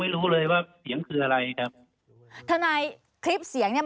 รู้เลยว่าเสียงคืออะไรครับทนายคลิปเสียงเนี้ย